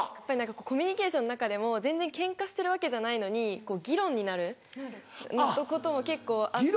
コミュニケーションの中でも全然ケンカしてるわけじゃないのに議論になることも結構あって。